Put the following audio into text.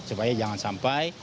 supaya jangan sampai mereka